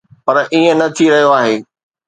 پر ائين نه ٿي رهيو آهي.